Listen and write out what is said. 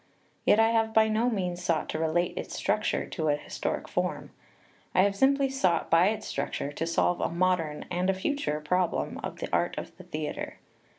Yet I have by no means sought to relate its structure to an historic form; I have simply sought by its structure to solve a modern [and a future] problem of the art of the theatre.